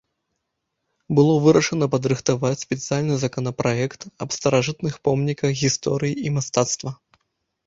Было вырашана падрыхтаваць спецыяльны законапраект аб старажытных помніках гісторыі і мастацтва.